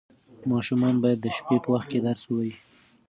ماشومان باید د شپې په وخت کې درس ووایي.